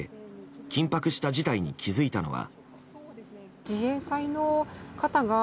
緊迫した事態に気づいたのは。